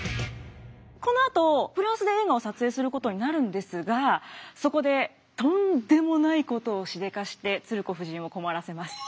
このあとフランスで映画を撮影することになるんですがそこでとんでもないことをしでかして鶴子夫人を困らせます。